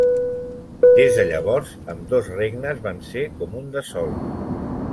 Des de llavors ambdós regnes van ser com un de sol.